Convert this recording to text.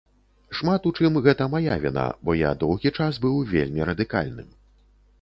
Шмат у чым гэта мая віна, бо я доўгі час быў вельмі радыкальным.